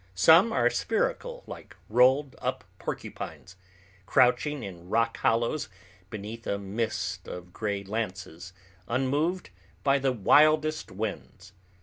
Some are spherical, like rolled up porcupines, crouching in rock hollows beneath a mist of gray lances, unmoved by the wildest winds.